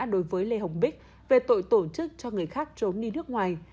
đối với lê hồng bích về tội tổ chức cho người khác trốn đi nước ngoài